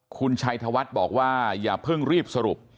คุณชัยธวัฒน์บอกว่าอย่าเพิ่งรีบสรุป